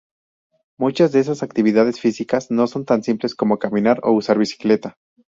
Muchas de esas actividades físicas son tan simples como caminar o usar la bicicleta.